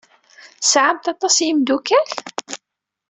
Tesɛamt aṭas n yimeddukal?